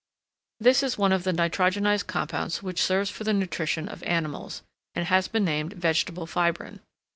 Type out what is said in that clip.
This is one of the nitrogenised compounds which serves for the nutrition of animals, and has been named vegetable fibrine.